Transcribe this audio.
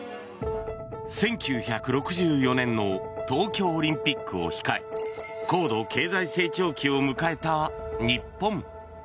１９６４年の東京オリンピックを控え高度経済成長期を迎えた日本。